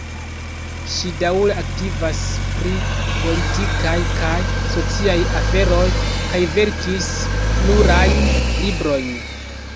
Ŝi daŭre aktivas pri politikaj kaj sociaj aferoj kaj verkis plurajn librojn.